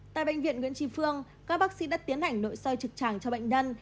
tại bệnh viện nguyễn tri phương các bác sĩ đã tiến hành nội soi trực tràng cho bệnh nhân